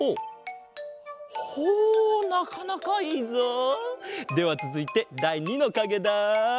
ほうほなかなかいいぞ！ではつづいてだい２のかげだ。